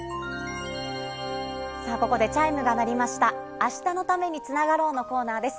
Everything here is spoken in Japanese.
明日のためにつながろう！のコーナーです。